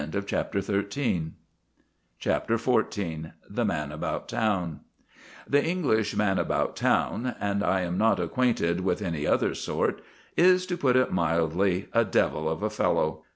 CHAPTER XIV THE MAN ABOUT TOWN The English man about town and I am not acquainted with any other sort is, to put it mildly, a devil of a fellow.